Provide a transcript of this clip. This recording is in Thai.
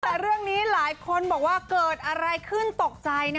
แต่เรื่องนี้หลายคนบอกว่าเกิดอะไรขึ้นตกใจนะ